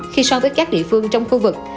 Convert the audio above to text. khi so với các địa phương trong khu vực